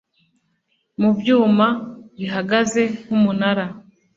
mu byuma bihagaze nk'umunara